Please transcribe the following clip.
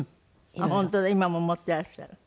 本当だ今も持ってらっしゃる。